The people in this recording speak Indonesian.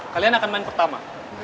kalian akan main pertama